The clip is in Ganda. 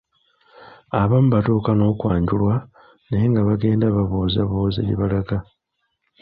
Abamu batuuka n’okwanjulwa naye nga bagenda babuuzabubuuza gye balaga.